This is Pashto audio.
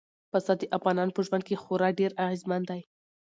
پسه د افغانانو په ژوند خورا ډېر اغېزمن دی.